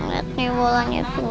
nge liat nih bolanya tuh